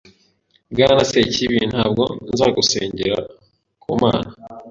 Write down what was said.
Bwana Sekibi ntabwo nzagusengera kumana